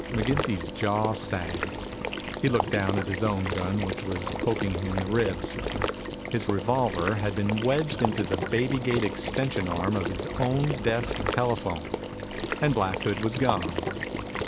McGinty's jaw sagged. He looked down at his own gun which was poking him in the ribs. His revolver had been wedged into the baby gate extension arm of his own desk telephone. And Black Hood was gone.